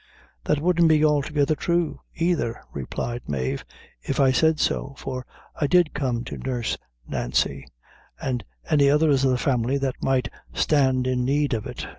"That wouldn't be altogether true either," replied Mave, "if I said so; for I did come to nurse Nancy, and any others of the family that might stand in need of it.